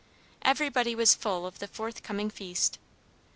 Everybody was full of the forthcoming feast.